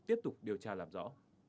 tiếp tục điều tra làm rõ